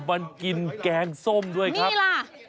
มันกินแกงส้มด้วยครับนี่ล่ะ